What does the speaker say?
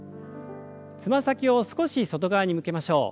つま先を少し外側に向けましょう。